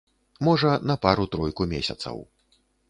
Можа, на пару-тройку месяцаў.